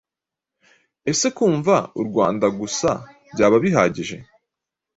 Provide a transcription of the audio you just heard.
Ese kumva u Rwanda gusa byaba bihagije